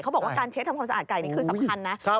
บอกว่าการเช็ดทำความสะอาดไก่นี่คือสำคัญนะ